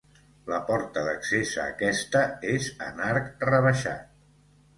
La porta d'accés a aquesta és en arc rebaixat.